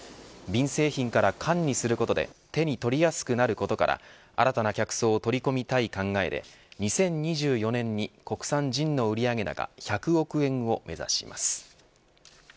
瓶製品から缶にすることで手に取りやすくすることから新たな客層を取り込みたい考えで２０２４年に国産ジンの売上高１００億円を目指します。